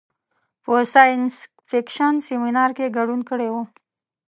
په ساینس فکشن سیمنار کې ګډون کړی و.